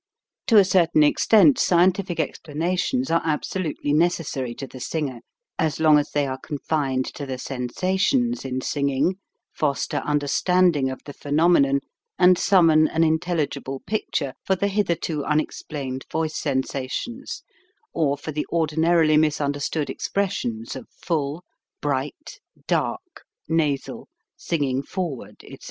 To a certain extent scientific explanations are absolutely necessary to the singer as long as they are confined to the sensations in sing ing, foster understanding of the phenomenon, and summon an intelligible picture for the hitherto unexplained voice sensations, or for the ordinarily misunderstood expressions of "full," "bright," "dark," "nasal," "singing forward," etc.